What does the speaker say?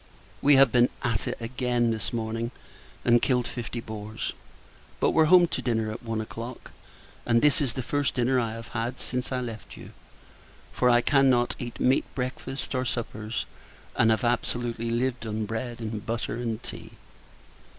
We have been at it again, this morning, and killed fifty boars; but were home to dinner, at one o'clock: and this is the first dinner I have had, since I left you; for I cannot eat meat breakfasts or suppers, and have absolutely lived on bread and butter and tea.